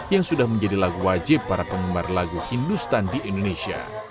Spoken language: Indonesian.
yang sudah menjadi lagu wajib para penggemar lagu hindustan di indonesia